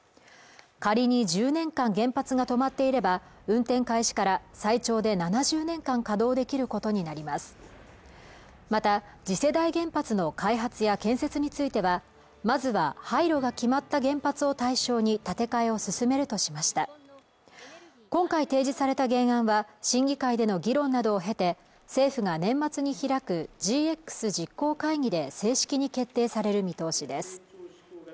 仮に１０年間原発が止まっていれば運転開始から最長で７０年間稼動できることになりますまた次世代原発の開発や建設についてはまずは廃炉が決まった原発を対象に建て替えを進めるとしました今回提示された原案は審議会での議論などを経て政府が年末に開くＧＸ実行会議で正式に決定される見通しです